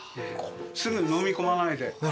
すぐのみ込まないで。